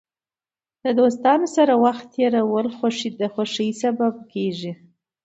د دوستانو سره وخت تېرول د خوښۍ سبب کېږي.